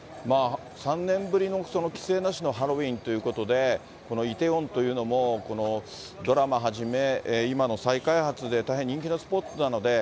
３年ぶりの規制なしのハロウィーンということで、梨泰院というのも、ドラマはじめ、今の再開発で大変人気のスポットなので、